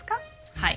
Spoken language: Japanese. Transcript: はい。